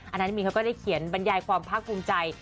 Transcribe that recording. อันนั้นมีนเขาก็ได้เขียนบรรยายความภาคภูมิใจ